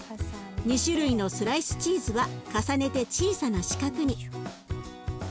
２種類のスライスチーズは重ねて小さな四角に。